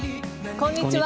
こんにちは。